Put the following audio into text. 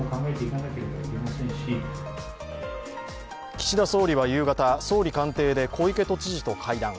岸田総理は夕方、総理官邸で小池都知事と会談。